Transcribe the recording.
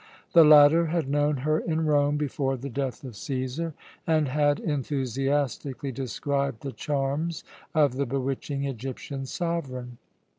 The latter had known her in Rome before the death of Cæsar, and had enthusiastically described the charms of the bewitching Egyptian sovereign.